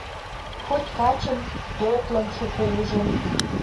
Хоть качым, тотлым шукы ужын